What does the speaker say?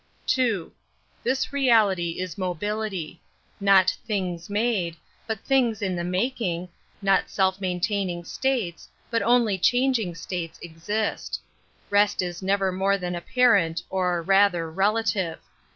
II. This reality is mobility ._^ Not things^ made, but things in the making, not self maintaining states, but only changing states, exist. Rest is never more than appar ent, or, rather, relative.